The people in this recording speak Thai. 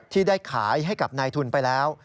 ที่ได้ขายให้กับนายทุนไปแล้ว